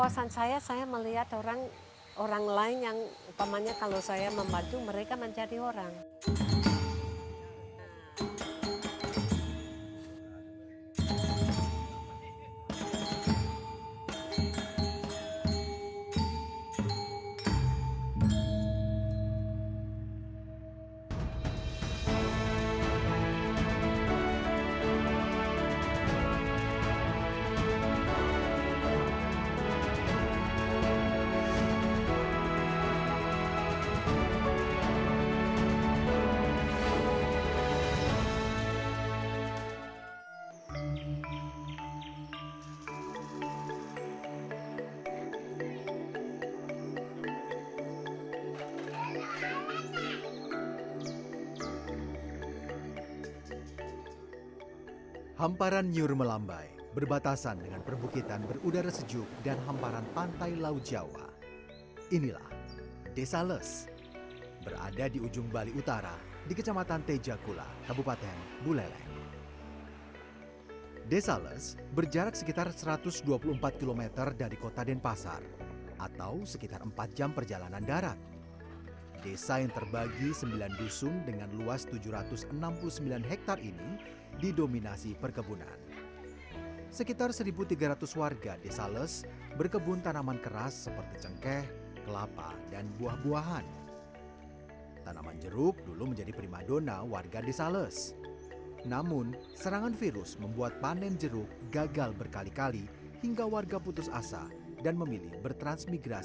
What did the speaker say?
saya tidak cari penghargaan saya cari kepuasan saya melihat orang lain yang kalau saya membantu mereka menjadi orang